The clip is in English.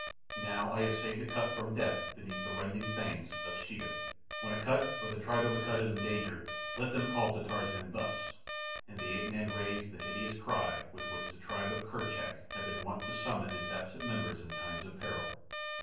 Now I have saved Akut from death beneath the rending fangs of Sheeta. "When Akut or the tribe of Akut is in danger, let them call to Tarzan thus"—and the ape man raised the hideous cry with which the tribe of Kerchak had been wont to summon its absent members in times of peril.